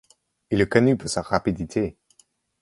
Il est connu pour sa rapidité.